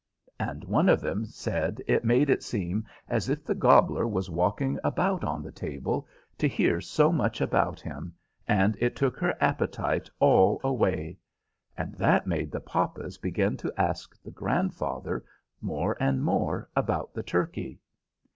and one of them said it made it seem as if the gobbler was walking about on the table, to hear so much about him, and it took her appetite all away; and that made the papas begin to ask the grandfather more and more about the turkey.